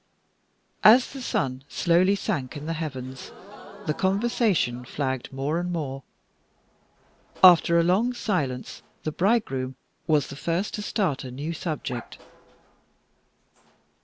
As the sun slowly sank in the heavens, the conversation flagged more and more. After a long silence, the bridegroom was the first to start a new subject.